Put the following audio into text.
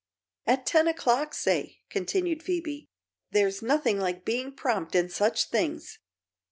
"At ten o'clock, say," continued Phoebe. "There's nothing like being prompt in such things.